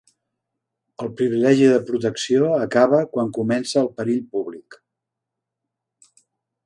El privilegi de protecció acaba quan comença el perill públic.